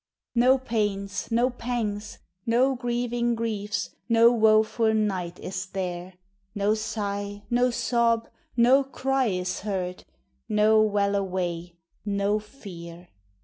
No pains, no pangs, no grieving griefs, No woful night is there; No sigh, no sob, no cry is heard No well away, no fear.